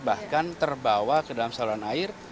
bahkan terbawa ke dalam saluran air